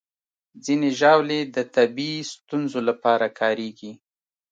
ځینې ژاولې د طبي ستونزو لپاره کارېږي.